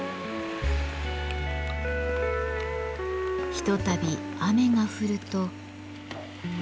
ひとたび雨が降ると。